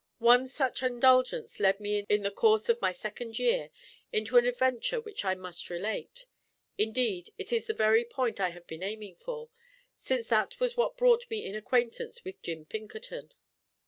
One such indulgence led me in the course of my second year into an adventure which I must relate: indeed, it is the very point I have been aiming for, since that was what brought me in acquaintance with Jim Pinkerton.